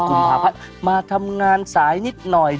กุรุณภาพมาทำงานสายนิดหน่อย